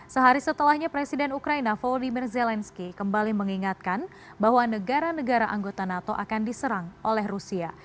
sehari setelahnya presiden ukraina volodymyr zelensky kembali mengingatkan bahwa negara negara anggota nato akan diserang oleh rusia